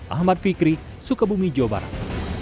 ahmad fikri sukabumi jawa barat